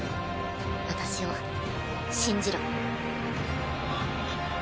私を信じろ。